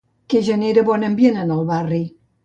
Què genera bon ambient en el barri?